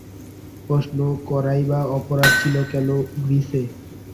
প্রশ্ন করাইবা অপরাধ ছিল কেন গ্রিসে?